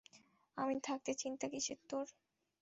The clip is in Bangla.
আমি থাকতে চিন্তা কীসের তোর?